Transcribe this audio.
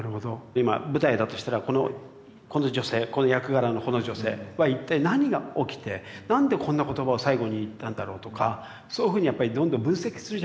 今舞台だとしたらこの女性この役柄のこの女性は一体何が起きてなんでこんな言葉を最後に言ったんだろうとかそういうふうにやっぱりどんどん分析するじゃないですか。